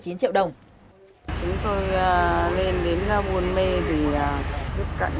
chúng tôi lên đến buôn mê để tiếp cận những người già